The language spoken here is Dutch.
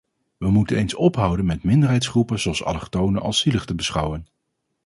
We moeten eens ophouden met minderheidsgroepen zoals allochtonen als zielig te beschouwen.